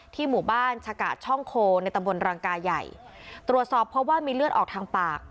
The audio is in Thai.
หมู่บ้านชะกะช่องโคในตำบลรังกายใหญ่ตรวจสอบเพราะว่ามีเลือดออกทางปาก